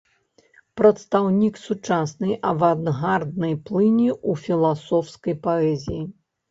Прадстаўнік сучаснай авангарднай плыні ў філасофскай паэзіі.